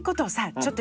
ちょっと